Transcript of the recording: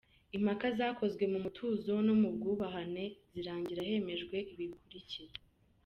Impaka zakozwe mu mutuzo no mu bwubahane, zirangira hemejwe ibi bikulikira: